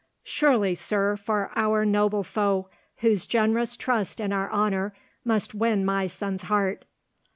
"Surely, sir, for our noble foe, whose generous trust in our honour must win my son's heart."